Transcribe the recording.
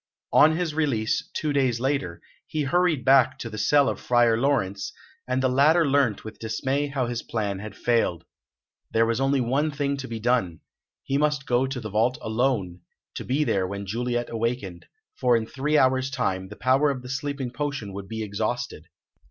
On his release, two days later, he hurried back to the cell of Friar Laurence, and the latter learnt with dismay how his plan had failed. There was now only one thing to be done: he must go to the vault alone, to be there when Juliet awakened, for in three hours' time the power of the sleeping potion would be exhausted.